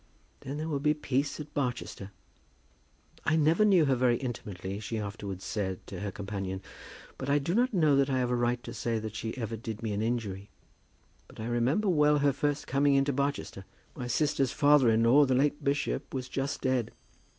Then there will be peace at Barchester!" "I never knew her very intimately," she afterwards said to her companion, "and I do not know that I have a right to say that she ever did me an injury. But I remember well her first coming into Barchester. My sister's father in law, the late bishop, was just dead.